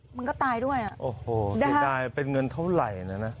มันก็ตายด้วยอ่ะโอ้โหเสียดายเป็นเงินเท่าไหร่นะนะ